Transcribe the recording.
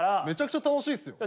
めちゃくちゃ楽しいっす。